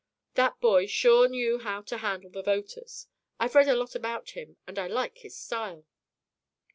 That boy sure knew how to handle the voters. I've read a lot about him, and I like his style."